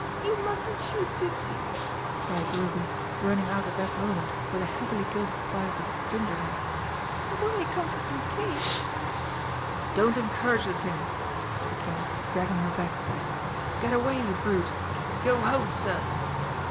"You mustn't shoot Tützi!" cried Ruby, running out at that moment with a heavily gilded slice of gingerhead, "he's only come for some cake!" "Don't encourage the thing!" said the King, dragging her back. "Get away, you brute! Go home, Sir!"